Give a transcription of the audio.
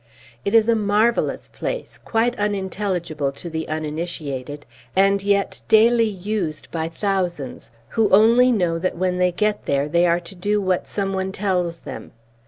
It is a marvellous place, quite unintelligible to the uninitiated, and yet daily used by thousands who only know that when they get there, they are to do what some one tells them.